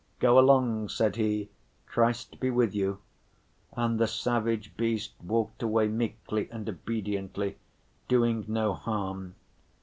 "Go along," said he, "Christ be with you," and the savage beast walked away meekly and obediently, doing no harm.